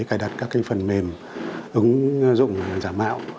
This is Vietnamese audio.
cài đặt các phần mềm ứng dụng giả mạo